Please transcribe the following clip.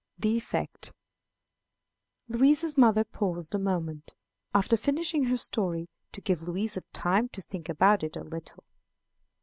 The Effect. Louisa's mother paused a moment, after finishing her story, to give Louisa time to think about it a little.